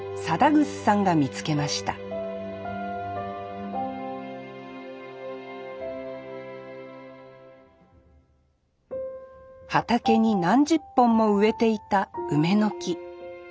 貞楠さんが見つけました畑に何十本も植えていた梅の木。